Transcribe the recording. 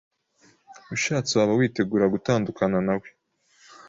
ushatse waba witegura gutandukana nawe